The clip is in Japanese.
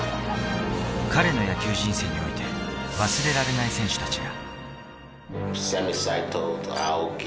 彼の野球人生を見て忘れられない選手たちが。